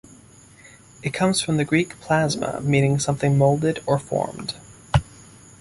It comes from the Greek "plasma", meaning "something molded or formed".